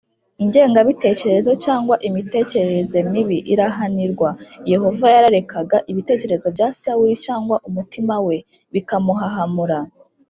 Ingengabitekerezo Cyangwa imitekerereze mibi irahanirwa. Yehova yararekaga ibitekerezo bya Sawuli cyangwa umutima we bikamuhahamura